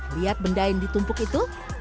lihat benda yang ditumpuk itu